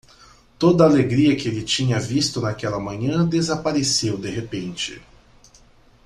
Toda a alegria que ele tinha visto naquela manhã desapareceu de repente.